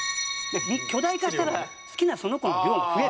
巨大化したら好きなその子の量が増える。